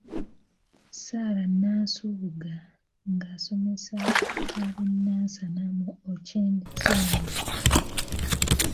Sarah Nansubuga ng'asomesa ab'e Nansana mu Ochieng Zone.